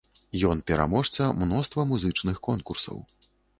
Ён пераможца мноства музычных конкурсаў.